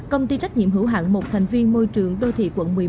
công ty trách nhiệm hữu hạng một thành viên môi trường đô thị quận một mươi một